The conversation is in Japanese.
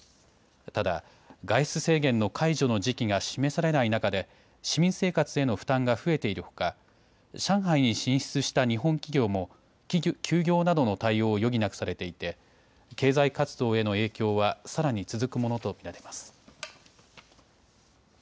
ただ外出制限の解除の時期が示されない中で市民生活への負担が増えているほか上海に進出した日本企業も休業などの対応を余儀なくされていて経済活動への影響はさらに続くものと見られます。